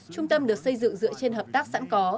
trung tâm được xây dựng dựa trên hợp tác sẵn có